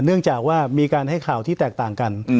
เนื่องจากว่ามีการให้ข่าวที่แตกต่างกัน